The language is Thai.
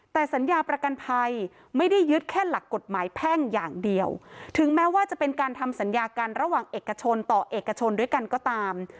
แต่สัญญาประกันภัยไม่ได้ยึดแค่หลักกฎหมายแพ่งอย่างเดียวถึงแม้ว่าจะเป็นการทำสัญญากันระหว่างเอกชนต่อเอกชนด้วยกันก็ตาม